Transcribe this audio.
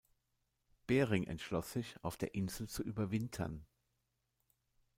Bering entschloss sich auf der Insel zu überwintern.